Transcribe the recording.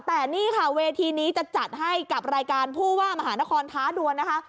แต่นี่ค่ะเวทีนี้จะจัดให้กับรายการผู้ว่ามหานครท้าดวนนะคะ